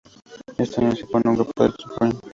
Éste año se une al grupo Supreme.